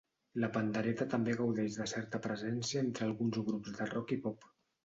La pandereta també gaudeix de certa presència entre alguns grups de rock i pop.